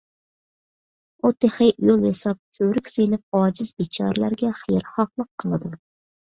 ئۇ تېخى يول ياساپ، كۆۋرۈك سېلىپ، ئاجىز - بىچارىلەرگە خەيرخاھلىق قىلىدۇ.